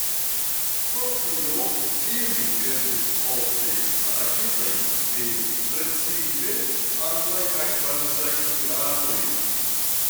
Pro tio ili estis ofte atakitaj de precipe anglaj kaj francaj piratoj.